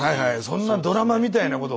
そんなドラマみたいなこと